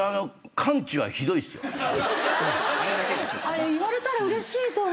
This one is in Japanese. あれ言われたらうれしいと。